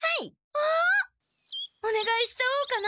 わあおねがいしちゃおうかな？